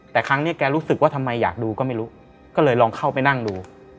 แต่ครั้งนี้แกรู้สึกว่าทำไมอยากดูก็ไม่รู้ก็เลยลองเข้าไปนั่งดู